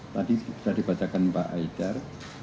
tadi sudah dibacakan pak haidar